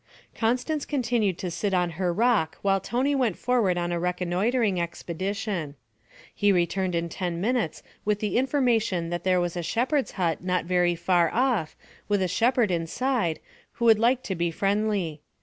Constance continued to sit on her rock while Tony went forward on a reconnoitring expedition. He returned in ten minutes with the information that there was a shepherd's hut not very far off with a shepherd inside who would like to be friendly.